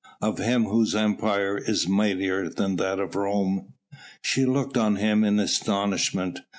"Of Him Whose Empire is mightier than that of Rome." She looked on him in astonishment.